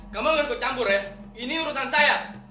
kamu nggak kok campur ya ini urusan saya